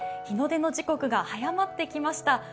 日の出の時刻が早まってきました。